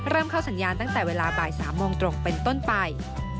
เข้าสัญญาณตั้งแต่เวลาบ่าย๓โมงตรงเป็นต้นไป